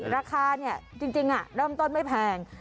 ราคาเนี่ยจริงเริ่มต้นไม่แพง